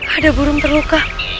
ada burung terluka